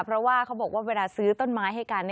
เพราะว่าเขาบอกว่าเวลาซื้อต้นไม้ให้กัน